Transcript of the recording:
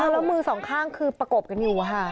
แล้วมือสองข้างคือประกบกันอยู่ค่ะ